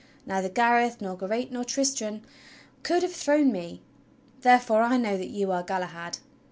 Neither Gareth, nor Geraint, nor Tristram could have thrown me. Therefore I know that you are Galahad!"